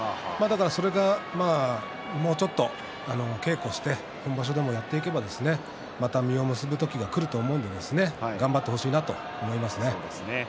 それがもうちょっと稽古して本場所でもやっていけばまた実を結ぶ時が来ると思うので頑張ってほしいなと思いますね。